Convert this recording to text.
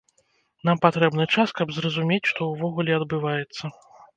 Нам патрэбны час, каб зразумець, што ўвогуле адбываецца.